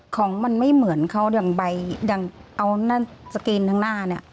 ของมันไม่เหมือนเขาอย่างเอานั่นสกรีนข้างหน้า